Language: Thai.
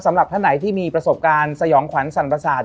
สำหรับท่านไหนที่มีประสบการณ์สยองขวัญสั่นประสาท